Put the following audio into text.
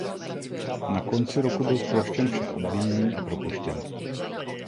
Na konci roku byl zproštěn všech obvinění a propuštěn.